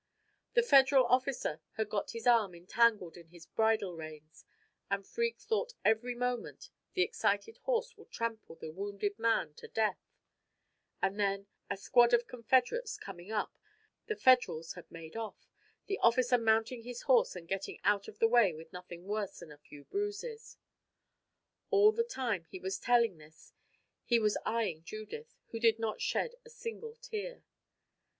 The Federal officer had got his arm entangled in his bridle reins, and Freke thought every moment the excited horse would trample the wounded man to death; and then, a squad of Confederates coming up, the Federals had made off, the officer mounting his horse and getting out of the way with nothing worse than a few bruises. All the time he was telling this he was eying Judith, who did not shed a single tear.